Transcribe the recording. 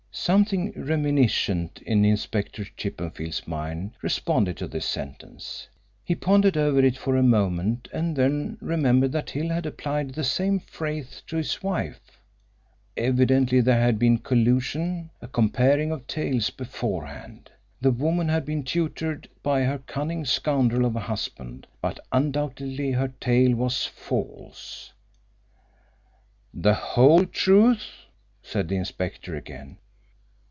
Something reminiscent in Inspector Chippenfield's mind responded to this sentence. He pondered over it for a moment, and then remembered that Hill had applied the same phrase to his wife. Evidently there had been collusion, a comparing of tales beforehand. The woman had been tutored by her cunning scoundrel of a husband, but undoubtedly her tale was false. "The whole truth?" said the inspector, again.